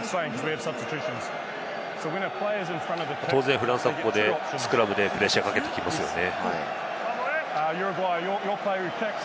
当然フランスはここでスクラムでプレッシャーをかけてきますよね。